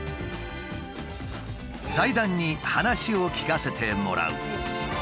財団に話を聞かせてもらう。